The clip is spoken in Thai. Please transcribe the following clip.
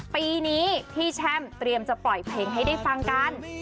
ปีนี้พี่แช่มเตรียมจะปล่อยเพลงให้ได้ฟังกัน